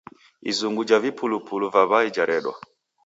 Izungu ja vipulupulu va w'ai jaredwa.